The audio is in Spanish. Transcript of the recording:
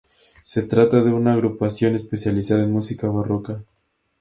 Se trata de una agrupación especializada en música barroca.